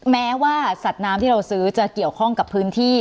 แม้ว่าสัตว์น้ำที่เราซื้อจะเกี่ยวข้องกับพื้นที่